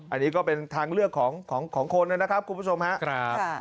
อันนี้ก็เป็นทางเลือกของคนนะครับคุณผู้ชมครับ